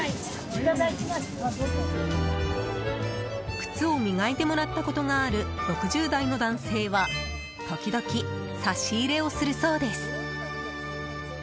靴を磨いてもらったことがある６０代の男性は時々、差し入れをするそうです。